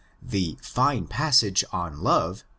The fine passage on love (c.